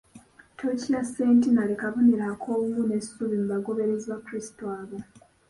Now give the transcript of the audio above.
Tooki ya centenary kabonero ak'obumu n'essuubi mu bagoberezi ba Krisitu abato.